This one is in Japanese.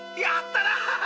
やったな。